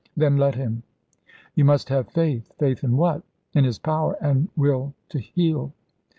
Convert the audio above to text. "Then let Him." "You must have Faith." "Faith in what?" "In His power and Will to heal."